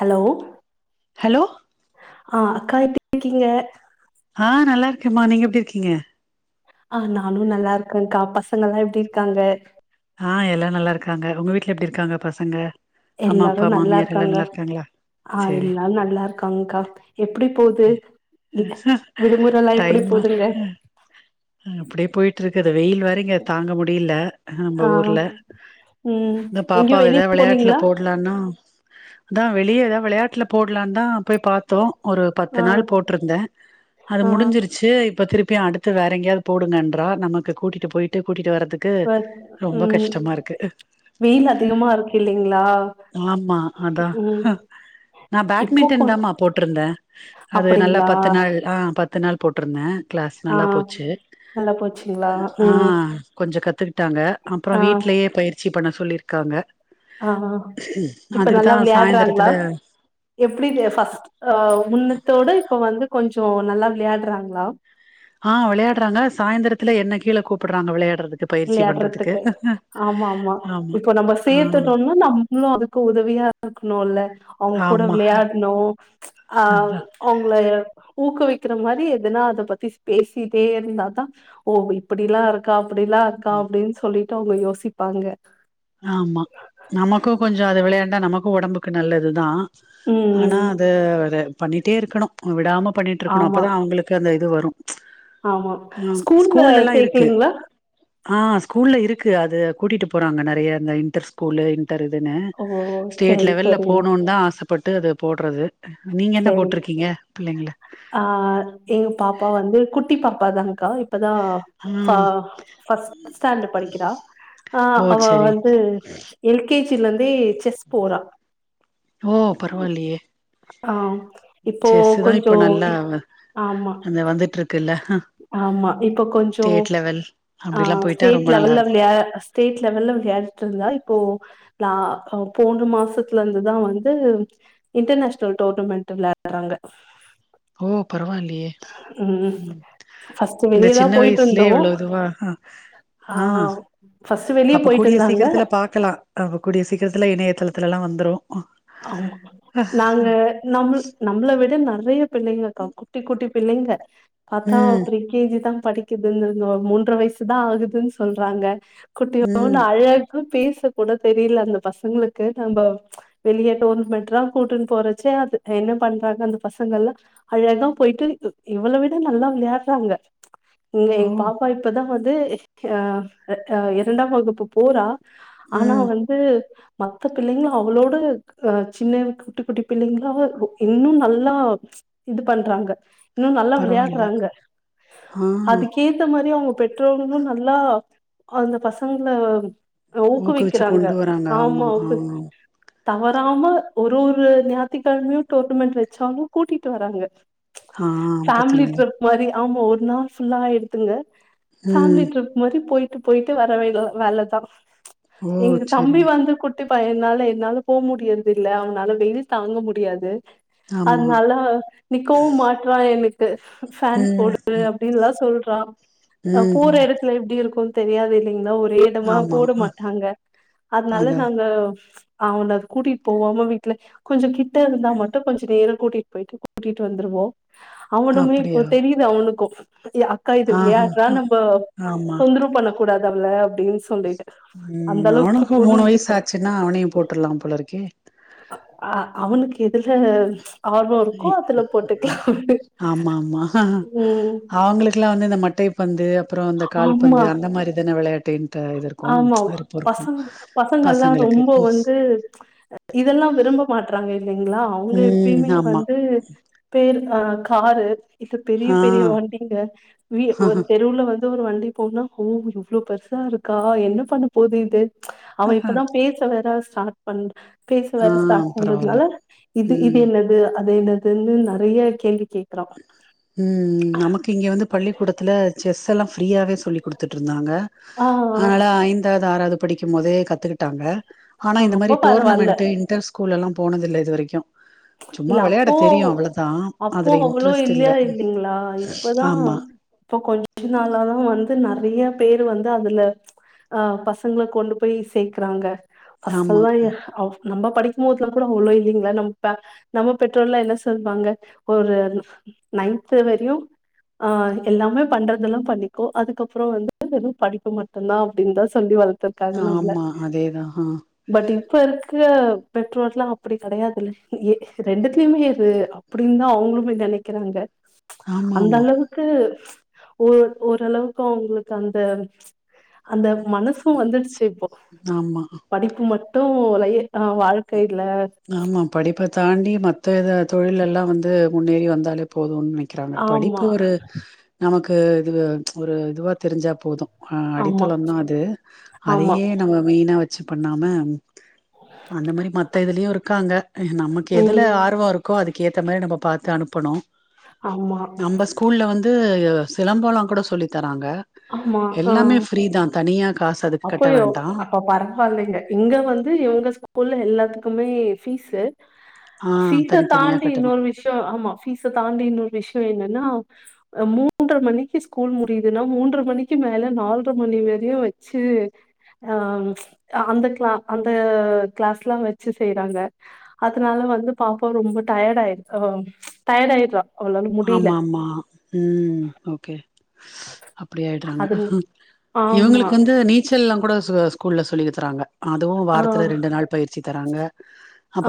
Hello hello ஆ அக்கா எப்டி இருக்கீங்க ஆ நல்லா இருக்கேமா நீங்க எப்டி இருக்கீங்க ஆ நானு நல்லா இருக்கேக்கா பசங்கலா எப்டி இருக்காங்க ஆ எல்லா நல்லா இருக்காங்க உங்க வீட்ல எப்டி இருக்காங்க பசங்க அம்மா எல்லாரு அப்பா நல்லா மாமியார் எல்லா இருக்காங்க நல்லா இருக்காங்களா ஆ சேரி எல்லாரு நல்லா இருக்காங்க்கா எப்டி போது வி விடுமுறலா எப்டி போதுங்க அ அப்டியே போயிட்டு இருக்குது வெயில் வேற இங்க தாங்க முடியுல நம்போ ஆ ஊர்ல ம் இந்த எங்கயு பாப்பாவ வெளிய எதாவது வெளையாட்ல போனீங்களா போடு லாந்தா அதா வெளிய எதாவது வெளையாட்ல போடலான்ந்தா போய் பாத்தோ ஒரு பத்து ஆ நாள் போட்ருந்தே அது ஆ முடிஞ்சிருச்சு இப்போ திருப்பியு அடுத் து வேற எங்கயாது போடுங்கன்றா நமக்கு கூட்டிட்டு போயிட்டு கூட்டிட்டு வரதுக்கு [unintelligible] ரொம்ப கஷ்டமா இருக்கு வெயில் அதிகமா இருக்கு இல்லலைங்களா ஆமா அதா ம் நா இப்போ கொ பேட்மிண்டன் தான்மா போட்டிருந்தே அது நல்லா அப்டிங்களா பத்து நாள் ஆ பத்து நாள் போட்டிருந்தே கிளாஸ் ஆ நல்லா போச்சு நல்லா போச்சுங்களா ஆ ம் கொஞ்சோ கத்துகிட்டாங்க அப்றோ ஆ வீட்லயே பயிற்சி பண்ண சொல்லிருக் காங்க ஆ இப்ப அதுக்குதா நல்லா விளையாடுறாங்களா சாய்ந்தரத்துல எப்டி ஃபஸ்ட் முன்னத்தோட இப்ப வந்து கொஞ்சோ நல்லா விளையாடுறாங்களா ஆ விளையாடுறாங்க சாய்ந்தரத்துல என்ன கீழே கூப்டுறாங்க விளையாடுறதுக்கு விளையாடுறதுக்கு ஆமா ஆமா இப்ப நம்ம ஆ சேர்த்துட்டோம்னா நம்பளு அதுக்கு உதவியா இருக்கணும்ல்ல அவுங்க கூட ஆமா விளையாடணு ஆ அதா அவுங்கள ஊக்குவிக்கிற மாரி எதுனா அத பத்தி பேசிட்டே இருந்தாதா ஓ இப்படிலா இருக்கா அப்படிலா இருக்கா அப்டின்னு சொல்லிட்டு அவுங்க யோசிப்பாங்க ஆமா நமக்கு கொஞ்சோ அது விளையாண்டா நமக்கு உடம்புக்கு நல்லதுதா ம், ஆனா ம். அது பண்ணிட்டே இருக்கணு விடாம பண்ணிட்டு இருக்கணு ஆமா, அப்பதா அவுங்களுக்கு அந்த இது வரு ஆமா ம் ஸ்கூல்ல ஸ்கூல்லல்லா இருக்கு சேக்ரிங்களா ஆ ஸ்கூல்ல இருக்கு அது கூட்டிட்டு போறாங்க நிறைய இந்த இன்டர் ஸ்கூல்லு இன்டருதுன்னு ஓ! ஸ்டேட் சரி, லெவல்ல சரிங்க. போணும்னு தா ஆசப்பட்டு அது போடுறது நீங்க என்ன சரி. போட்டிருக்கீங்க புள்ளைங்கள ஆ எங்க பாப்பா வந்து குட்டி பாப்பாதான்கா இப்பதா பா ம் ஃபஸ்ட் ஸ்டாண்டு படிக்கிறா ஆ ஓ அவ செரி வந்து எல்கேஜில இருந்தே செஸ் போறா ஓ பரவாலையே ஆ இப்போ செஸ்சு தா கொஞ்சோ இப்ப நல்லா ஆமா அந்த வந்துட்டு இருக்குல்ல ஆமா இப்ப கொஞ்சோ ஸ்டேட் லெவல் ஆ அப்டில்லா போயிட்டா ஸ்டேட் ரொம்ப நல்லா லெவல்ல இருக்கு விளயா ஸ்டேட் லெவல்ல விளையாடிட்டு இருந்தா இப்போ தா போன மாசத்துல இருந்துதா வந்து இன்டர்நேஷ்னல் டோர்னமெண்ட் விளையாடுறாங்க ஓ பரவாலையே ம் ஃபர்ஸ்ட் இந்த வெளியேதா சின்ன போயிட்டு வயசுலயே இருந்தோ இவ்ளோ இதுவா ஆ ஆ ஃபர்ஸ்ட் வெளியே போயிட்டு இருந்தாங்க இருக்கலா அ கூடிய சீக்கிரத்துல இணையதளத்துலலா வந்துரு ஆமா நாங்க நம்ள நம்பள விட நறையா பிள்ளைங்கக்கா குட்டி குட்டி பிள்ளைங்க பார்த்தா ம் அப்டி கேஜி தா படிக்குதுன்னு மூன்ற வயசுதா ஆகுதுன்னு சொல்றாங்க குட்டீயோனு ம் அழகு பேச கூட தெரியல அந்த பசங்களுக்கு நம்ப வெளியே டோர்ன்மெண்றா கூட்டுன்னு போறச்சே அது என்ன பண்றாங்க அந்த பசங்கள்லா அழகா போயிட்டு இவ்ள விட நல்லா விளையாடுறாங்க இங்க ஓ எங்க பாப்பா இப்பதா வந்து ஆ இரண்டாம் வகுப்பு போறா ஆனா ம் வந்து மத்த புள்ளைங்களு அவளோட அ சின்ன குட்டி குட்டி பிள்ளைங்களா இன்னு நல்லா இது பண்றாங்க இன்னு நல்லா பரவாயில்ல விளையாடுறாங்க ஆ அதுக்கேத்த மாரி அவுங்க பெற்றோர்களு நல்லா அந்த பசங்கள ஊக்குவிச்சு ஊக்குவிக்கிறாங்க கொண்டு வராங்க ஆமா ஆ ஊக்கு தவறாம ஒரு ஒரு ஞாயித்துக்கழமையு டோர்னமெண்ட் வச்சாலு கூட்டிட்டு வராங்க ஆ ஃபேமிலி பாத்தீங்களா ட்ரிப் மாரி ஆமா ஒரு நாள் ஃபுல்லா ஆய்டுத்துங்க ஃபேமிலி ம் ட்ரிப் மாரி போயிட்டு போயிட்டு வர வேல வேலதா ஓ எங்க தம்பி செரி வந்து கு ட்டி பய்யன்னால என்னால போ முடியறது இல்ல அவனால வெயில் தாங்க முடியாது ஆமா அதனால நிக்கவு மாட்றா எனக்கு ஃபேன் ம் போடு அப்டின்லா சொல்றா அ ம் போற ம் இடத்துல எப்டி இருக்கு தெரியாது இல்லைங்கல்ல ஒரே இந்தமா ஆமா போட மாட்டாங்க அதனால அதா நாங்க அவன கூட்டிட்டு போவாம வீட்ல கொஞ்ச கிட்ட இருந்தா மட்டு கொஞ்ச நேரோ கூட்டிட்டு போயிட்டு கூட்டிட்டு வந்துருவோ அவனுமே இப்போ அப்டியா தெரியுது அவனுக்கு அக்கா இது ஆஹ விளையாடுறா நம்ப ஆமா தொந்தரவு பண்ண கூடாது அவல அப்டின்ஸ் ம் அவனுக்கு மூணு வயசு ஆச்சுன்னா அவனையு போட்டுருலாம் போலருக்கு அ அவனுக்கு இதுல ஆமா ஆமா ம் அவுங்களுக் குலா வந்து இந்த மட்டை பந்து அப்புறோ இந்த ஆமா கால்பந்து அந்த மாரி தான விளையாட்டு ஆமா பசங்க பசங்கல்லா பசங்களுக்கு ரொம்ப ம் வந்து இதெல்லா விரும்ப மாட்றாங்க இல்லைங்களா அவுங்க ம். எப்பயுமே ஆமா வந்து பேர் காரு இது பெரிய ஆ பெரிய வண்டிங்க வி ஒரு தெருவுல வந் து ஒரு வண்டி போனா ஓ இவ்ளோ பெருசா இருக்கா என்ன பண்ண போது இது அவ ஆஹா. இப்பதா பேச சவேற ஸ்டார்ட் பண் ஆ பேசவேற ஸ்டார்ட் பரவால்ல பண்றதுனால இது இது ம் என்னது அது என்ன தன்னு நறைய கேள்வி கேக்கறா ம் நமக்கு இங்க வந்து பள்ளிக்கூடத்துல செஸ் எல்லா ஃப்ரீயாவே சொல்லி் குடுத்துட்ருந்தாங்க ஆ ஆ அதனால ஐந்தாவது ஆறாவது படிக்கும் போதே கத்துக்கிட்டாங்க ஆனா ஆ இந்த அப்போ மாரி பரவால்ல டோர்னமெண்ட்டு இன்டர் ஸ்கூலெல்லா போனதில்ல இது வரைக்கு சும்மா இல்ல விளையாட தெரியு அவ்வளதா அதுலயு வெள்ளயா இருந்தீங்களா இப்பதா ஆமா இப்ப கொஞ்ச நாளா அப்றோ வந்து நறைய பேரு வந்து அதுல ஆ பசங்கள கொண்டு போய் சேர்க்கறாங்க ஆமா ஃபஸ்ட்டெல்லா எ அவ் நம்ப படிக்கு போதுல்லா கூட அவ்ளோ இல்லைங்களா நம்ப நம்ம பெற்றோர்லா என்ன சொல்வாங்க ஒரு நைன்த்து வரையு ஆ எல்லாமே பண்றதெல்லா பண்ணிகோ அதுக்கப்புறோ வந்து வெறு படிப்பு மட்டுதா அப்டின்னு தா சொல்லி வளர்த்து ஆமா அதேதா ஆ பட் இப்ப இருக்க பெற்றோர்லா அப்படி கடையாதுல்ல ஏ ரெண்டுத்துலயுமே இரு அப்டின்னு தா அவுங்களுமே நனைக்கிறாங்க ஆமா அந்த ஆமா அளவுக் கு ஓர் ஓரளவுக்கு அவுங்களுக்கு அந்த அந்த மனசு வந்துடுச்சு இப்போ ஆமா படிப்பு மட்டு லைய அ வாழ்க்க இல்ல ஆமா படிப்ப தாண்டி மத்த இத தொழில் எல்லா வந்து முன்னேறி வந்தாலே போதுன் நெனை கிறாங்க ஆமா படிப்பு ஒரு நமக்கு இதுவு ஒரு இதுவா தெரிஞ்சா போது ஆ ஆமா அடித்தளம் தா அது ஆமா அதையே நம்ம மெயினா வச்சு பண்ணாம அந்த மாரி மத்த இதுலயு இருக்காங்க நமக்கு எதுல ம் ஆர்வோ இரு க்கோ அதுக் ஏத்த மாரி நம்ப பாத்து அனுப்பணு ஆமா நம்ப ஸ் ஸ்கூல்ல வந்து சிலம்போலா கூட சொல்லி தராங்க ஆமா ஆ எல்லாமே ஃப்ரீ தா தனியா காசு அதுக் அப்பயோ அப்ப பர்வால்லங்க இங்க வந்து இவுங்க ஸ்கூல்ல எல்லாத்துக்குமே ஃபீஸ்ஸு ஆ ஃபீஸ தனித்தனியா தான்டி கட்டணு இன்னொரு விஷ்யோ ஆமா ஃபீஸ தான்டி இன்னொரு விஷ்யோ என்னன்னா ஆ மூன்ர மணிக்கி ஸ்கூல் முடிதுன்னா மூன்ர மணிக்கு மேல நால்ர மணி வரியு வ ச்சு ஆ அந்த க்ளா அந்த கிளாஸ்லா வச்சு செய்றாங்க அதுனால வந்து பாப்பா ரொம்ப டயர்ட்டா ஆ டயர்ட்டாயிட்றா ஆமாமா ம் ஓகே அப்டி ஆயிட்றாங்க அது ஆமா இவுங்களுக்கு வந்து நீ ச்சல்லா கூட சு ஸ்கூல்ல சொல்லிதராங்க அதுவு ஆ வாரத்துல ரெண்டு நாள் பயிற்சி தராங்க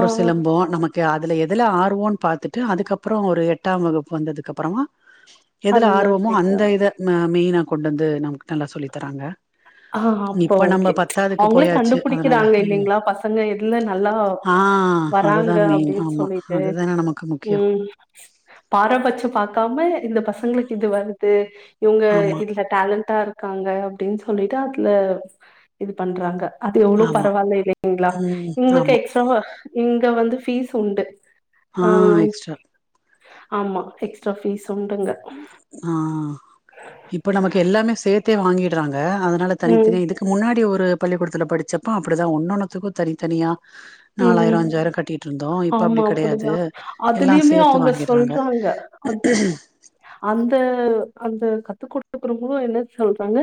ஆ சிலம்போ நம க்கு அதுல எதுல ஆர்வோன் பாத்துட்டு அதுக்கப்றோ ஒரு எட்டாம் வகுப்பு வந்ததுக்கப்றமா எதுல அதுல ஆர்வமோ அந்த இத ம மெய்னா கொண்டந்து நமக்கு நல்லா சொல்லி தராங்க ஆ அப்போ இப்ப நம்ம ஓகே பத்தாதுக்கு அவுங்ளே போயாச்சு அதனால கண்டுபுடிக்கிறாங்க ம் இல்லைங்ளா பசங்க எட்ல நல்லா ஆ வராங்க அதுதா மெயின் அப்டின் ஆமா சொல்லிட்டு அதுதான நமக்கு முக்கியோ ம் பாரபட்ச பாக்காம இந்த பசங்களுக்கு இது வருது இவுங்க ஆமா இட்ல டேலன்ட்டா இருக்காங்க அப்டின் சொல்லிட்டு அட்ல இது பண்றாங்க அது எவ்ளோ ஆமா பரவால்ல இல்லைங்ளா ம் உங்ளுக்கு ஆமா எக்ஸ்ட்ராவா இங்க வந்து ஃபீஸ் உண்டு ஆ ஆமா எக்ஸ்ட்ரா ஃபீஸ் உண்டுங்க ஆ இப்ப நமக்கு எல்லாமே சேத்தே வாங்கிட்றாங்க அத னால ம் தனித்தனியா இதுக்கு முன்னாடி ஒரு பள்ளிக்கூடத்துல படிச்சப்ப அப்டிதா ஒன்னொன்னுத்துக்கு தனித்தனியா நாலாயரோ ம் அஞ்சாயிரோ கட்டிட்ருந்தோ இப்ப ஆமா அப்டி கெடயாது அப்டிதா எல்லா அதுலயுமே சேத்து அவங்க வாங்கிட்றாங்க சொல்றாங்க [unintelligible] அந்த அந்த கத்து குடுக்றோங்களு என்ன சொல்றாங்க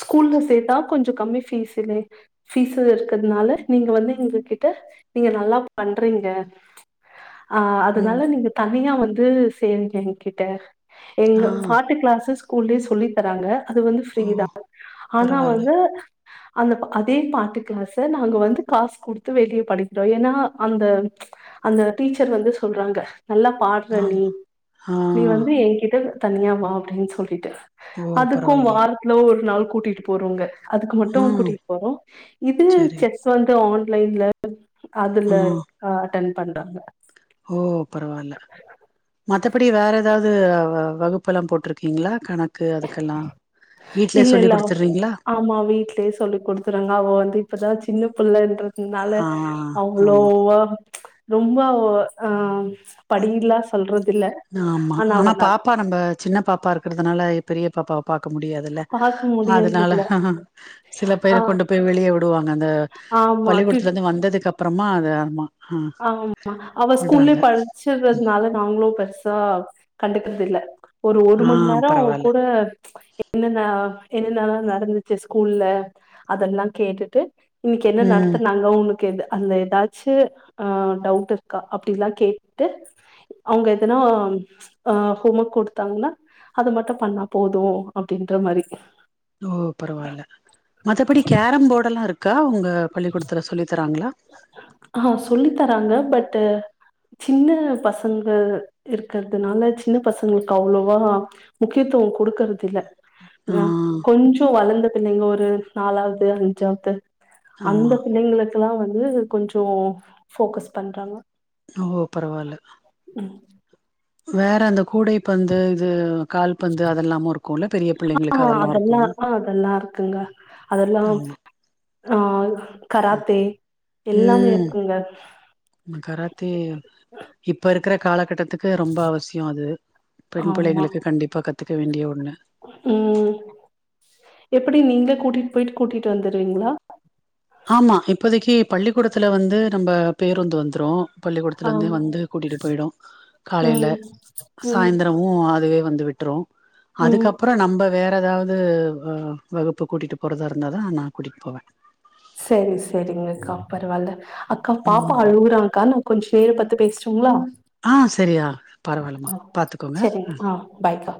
ஸ்கூல்ல சேத்தா கொஞ்சொ கம்மி ஃபீஸுலே பீஸு இருக்கற்துனால நீங்க வந்து எங்ககி ட்ட நீங்க நல்லா பண்றீங்க ஆ அதனால ம் நீங்க தனியா வந்து சேருங்க எ கிட்ட எங்க ஆ பாட்டு கிளாஸ் ஸ் கூல்லயே சொல்லி தராங்க அது வந்து ஓ ஃப்ரீதா ஆனா பரவால்ல வந்து அந்த அதே பாட்டுக் கிளாஸ நாங்க வந்து காசு குடு த்து வெளிய படிக்கிறோ ஏனா அந்த அந்த டீச்சர் வந்து சொல்றாங்க நல்லா பா ட்ற நீ ஆமா ஆ நீ வந்து எ கிட்ட தனியா வா அப்டின் சொல்லிட்டு ஓ அதுக்கு பரவாயில்லயே வாரத்ல ஒர் நாள் கூட்டிட்டு போறோங்க அதுக்கு மட்டு ம் கூட்டிட் போறோ இது சரி செஸ் வந்து ஆன்லைன்ல ஆ அதுல ஆ அட்டன் பண்றாங்க ஓ பரவால்ல மத்தபடி வேற எதாவ்து வகுப்புல்லா போட்ருக்கீங்களா கண இல்லெல்ல குடுத்துறீங்களா ஆமா வீட்லயே சொல்லி குடுத்துருங்க அவ வந்து இப்பதா சின்ன பிள்ளன்றதுனால ஆ ஆமா அவ்ளோவா ரொம்ப ஓவ ஆ படிலா சொல்றதில்ல ஆமா ஆனா பாப்பா நம்ப சின்ன பாப்பா இருக்கற்துனால பெரிய பாப்பாவ பாக்க முடியா துல பாக்க முடியறது அதனால இல்ல சில ஆ பேரு கொண்டு போய் வெளிய வுடுவாங்க அந்த ஆமா டி பள்ளிக்கூடத்துலந்து வந்ததுக்கப்றமா அது ஆமா ஆ ஆமா அவ ஸ்கூல்லயே விடுறாங்க படிச்சற்துனால நாங்ளு பெருசா கண்டுக்கற்தில்ல ஒரு ஒரு ஆ மண் நேரோ அவ பரவால்ல கூட என்னென்ன என்னென்னலா நடந்துச்சு ஸ்கூல்ல அதெல்லா கேட்டுட்டு இன்னக்கி என்ன ம் நடத்துனாங்க உன்க்கு எது அதுல எதாச்சு ஆ டவுட் இருக்கா அப்டில்லா கேட்டு அவுங்க எதனா அ ஹோமர்க் குடுத்தாங்கனா அது மட்டு பண்ணா போது அப்டின்ற மாரி ஓ பரவால்ல மத்தபடி கேரம் போடெல்லா இருக்கா உங்க பள்ளிக்கூடத்துல சொல்லி தராங்ளா ஆ சொல்லி தராங்க பட்டு சின்ன பசங்க இருக்கிறதுனால சின்ன பசங்களுக்கு அவ்ளோவா முக்கியத்துவம் குடுக்கறது இல்ல ஆ வே கொஞ்சோ வளந்த பிள்ளைங்க ஒரு நாலாவ்து அஞ்சாவ்து அந்த ஆமா பிள்ளைங்களுக் கெல்லா வந்து கொஞ்சோ ஃபோக்கஸ் பண்றாங்க ஓ பரவால்ல ம் வேற அந்த கூடை பந்து இது கால்பந்து அதெல்லாமு இருக்குல்ல பெரிய ஆ பிள்ளைங்களுக்கு அதெல்லா அதெல்லாருக்கு ஆ அதெல்லா இருக்குங்க அதெல்லா ஆமா ஆ கராத்தே எல்லாமே ம் இருக்குங்க கராத்தே இப்ப இருக்கிற காலகட்டத்துக் கு ரொம்ப அவசியோ அது பெண் ஆமா பிள்ளைங்களுக்கு கண்டிப்பா கத்துக்க வேண்டிய ஒண்ணு ம் எப்டி நீங்ளே கூட்டிட் போயிட்டு கூட்டிட்டு வந்துருவீங்ளா ஆமா இப்போதைக்கு பள்ளிக்கூடத்துல வந்து நம்ம பேருந்து வந்துரு பள்ளிக்கூடத்துல ஆ இருந்து வந்து கூட்டிட்டு போய்டு காலைல ம் ம் சாயந்திரமு அதுவே வந்து விட்ரு ம் அதுக்கப்றோ நம்ம வேற எதாவுது வ வகுப்பு கூட்டிட்டு போறதா இருந்தா தா நா கூட்டிட் போவே செரி செரிங்கக்கா பரவால்ல அக்கா ம் பாப்பா அழுவுறங்க்கா நா கொஞ்ச நேர பத்து பேஸ்டுங்ளா ஆ செரி யா பரவால்லமா பாத்துக்கோங்க சரிங்க அ ஆ பாய்க்கா